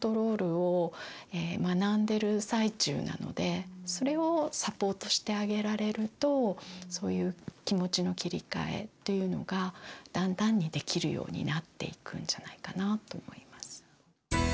子どもはそれをサポートしてあげられるとそういう気持ちの切り替えというのがだんだんにできるようになっていくんじゃないかなと思います。